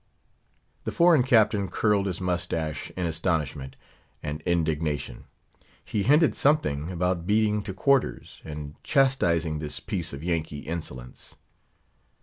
The foreign captain curled his mustache in astonishment and indignation; he hinted something about beating to quarters, and chastising this piece of Yankee insolence.